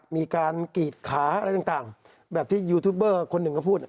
มีการกรีดขาอะไรต่างแบบที่ยูทูบเบอร์คนหนึ่งเขาพูด